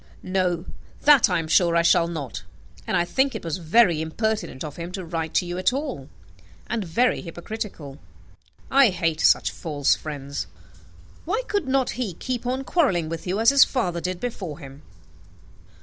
"No, that I am sure I shall not: and I think it was very impertinent of him to write to you at all, and very hypocritical. I hate such false friends. Why could not he keep on quarrelling with you, as his father did before him?"